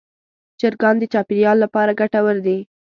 چرګان د چاپېریال لپاره ګټور دي.